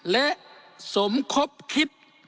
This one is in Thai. และสมคบคิด